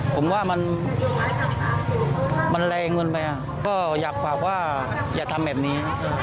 ผมว่ามันแรงเกินไปก็อยากฝากว่าอย่าทำแบบนี้